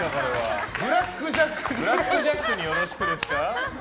「ブラックジャックによろしく」ですか。